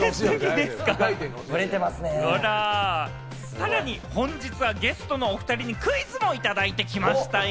さらに本日はゲストのおふたりにクイズもいただいてきましたよ。